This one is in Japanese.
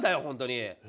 ほんとに！